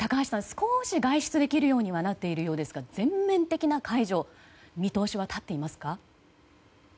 少し外出できるようにはなっているようですが全面的な解除見通しは立っていますか？